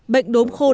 bệnh đốm khô lá